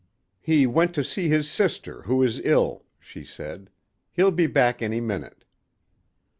"He went to see his sister who is ill," she said. "He'll be back any minute."